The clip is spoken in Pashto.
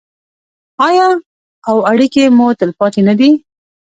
آیا او اړیکې مو تلپاتې نه دي؟